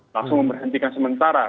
langsung memperhentikan sementara